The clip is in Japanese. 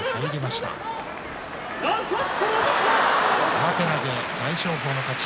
上手投げ、大翔鵬の勝ち。